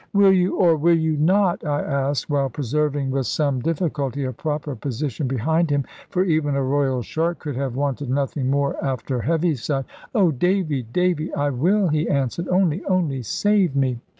"Will you or will you not?" I asked, while preserving with some difficulty a proper position behind him for even a royal shark could have wanted nothing more after Heaviside. "Oh, Davy, Davy, I will," he answered; "only, only save me."